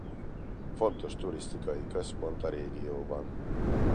Fontos turisztikai központ a régióban.